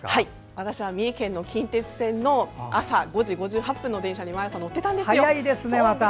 私は三重県の近鉄線の朝５時５５分の電車に乗ってました。